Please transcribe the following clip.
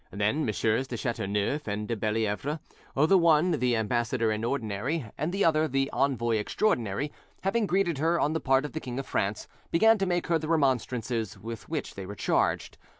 Then MM. de Chateauneuf and de Bellievre, the one the ambassador in ordinary and the other the envoy extraordinary, having greeted her on the part of the King of France, began to make her the remonstrances with which they were charged.